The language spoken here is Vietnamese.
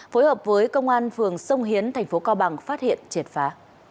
phối hợp với công an phường sông hiến tp cao bằng phát hiện triệt phá